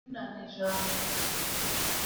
Bonane Janvier